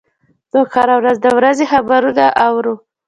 موږ هره ورځ د ورځې خبرونه اورو.